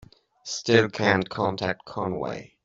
Still can't contact Conway.